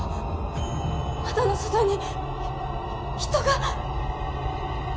窓の外にひ人が！